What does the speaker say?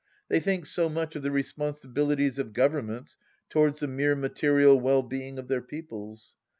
They think so much of the responsibilities of Governments towards the mere material well being of their peoples.